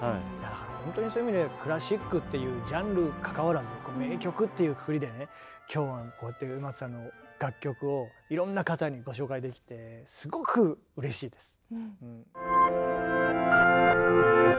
だからほんとにそういう意味でクラシックっていうジャンルかかわらず名曲っていうくくりでね今日はこうやって植松さんの楽曲をいろんな方にご紹介できてすごくうれしいです。